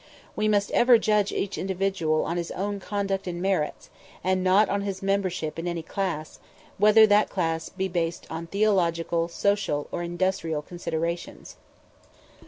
We must ever judge each individual on his own conduct and merits, and not on his membership in any class, whether that class be based on theological, social, or industrial considerations.